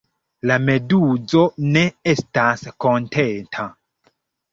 La meduzo ne estas kontenta.